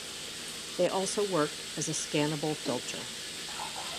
They also work as a scannable filter.